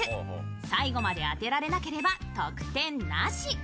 最後まで当てられなければ得点なし。